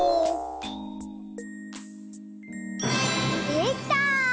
できた！